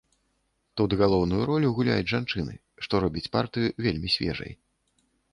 Тут галоўную ролю гуляюць жанчыны, што робіць партыю вельмі свежай.